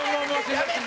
やめて！